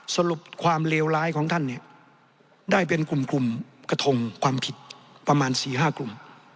สรุปความเลวร้ายของท่านเนี่ยได้เป็นกลุ่มกระทงความผิดประมาณ๔๕กลุ่ม